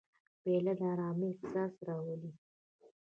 پیاله د ارامۍ احساس راولي.